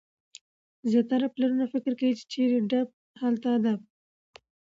زیاتره پلرونه فکر کوي، چي چيري ډب هلته ادب.